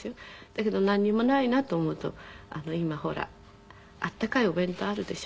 だけどなんにもないなと思うと今ほら温かいお弁当あるでしょ？